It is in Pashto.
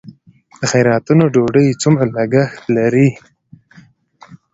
د خیراتونو ډوډۍ څومره لګښت لري؟